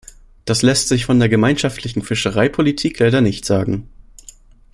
Das lässt sich von der gemeinschaftlichen Fischereipolitik leider nicht sagen.